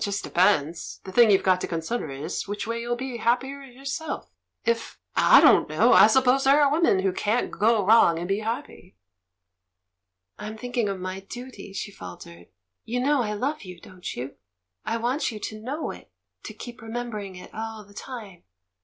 "It just depends ... the thing you've got to consider is which way you'll be happier yourself. If — I don't know! I suppose there are women who cant go wrong and be happy." "I'm thinking of my duty," she faltered. "You know I love you, don't you ? I want you to know it, to keep remembering it all the time.